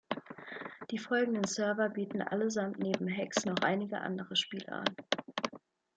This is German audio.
Die folgenden Server bieten allesamt neben Hex noch einige andere Spiele an.